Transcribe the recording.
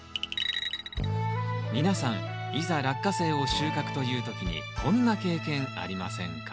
皆さんいざラッカセイを収穫という時にこんな経験ありませんか？